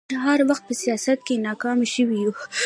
موږ هر وخت په سياست کې ناکام شوي يو